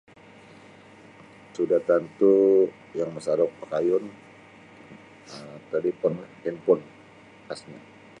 Sudah tantu' yang masaruk pakayun um taliponlah hinpon khasnyo.